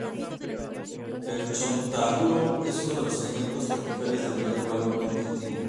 El chontaduro es uno de los alimentos tropicales de mayor valor nutritivo.